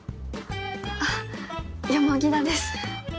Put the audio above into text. あっ田です。